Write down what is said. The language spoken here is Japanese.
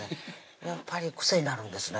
やっぱり癖になるんですね